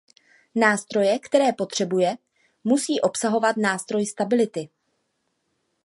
Nástroje, které potřebuje, musí obsahovat nástroj stability.